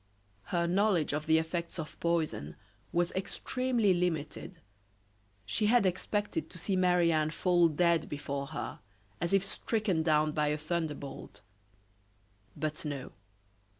Her knowledge of the effects of poison was extremely limited. She had expected to see Marie Anne fall dead before her, as if stricken down by a thunder bolt. But no.